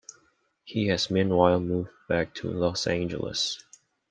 He has meanwhile moved back to Los Angeles.